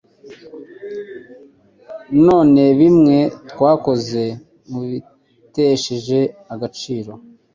None bimwe twakoze, mubitesheje agaciro